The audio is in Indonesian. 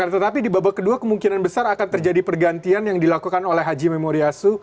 tetapi di babak kedua kemungkinan besar akan terjadi pergantian yang dilakukan oleh haji memoriasu